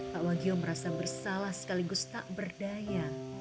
pak wagio merasa bersalah sekaligus tak berdaya